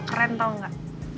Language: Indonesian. keren tau gak